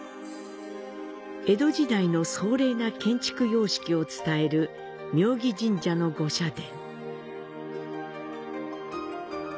江戸時代の壮麗な建築様式を伝える妙義神社の御社殿。